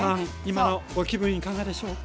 今のご気分いかがでしょう？